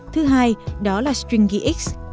thứ hai đó là stringyx